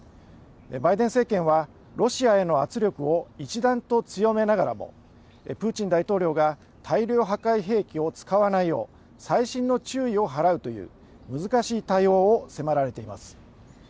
バイデン政権はロシアへの圧力を一段と強めながらもプーチン大統領が大量破壊兵器を使わないよう細心の注意を払うという難しい対応を迫られています。